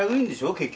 結局。